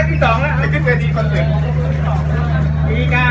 ขอบคุณค่ะ